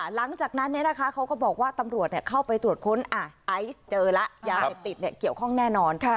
หลังจากนั้นเขาก็บอกว่าตำรวจเข้าไปตรวจค้นไอซ์เจอแล้วยาเสพติดเกี่ยวข้องแน่นอน